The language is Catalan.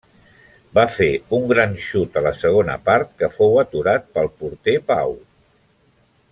Va fer un gran xut a la segona part que fou aturat pel porter Pau.